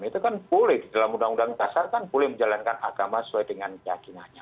itu kan boleh di dalam undang undang dasar kan boleh menjalankan agama sesuai dengan keyakinannya